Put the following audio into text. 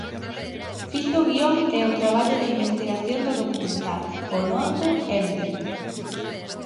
Fixo o guión e o traballo de investigación do documental "O Novo Emden".